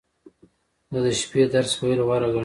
زه د شپې درس ویل غوره ګڼم.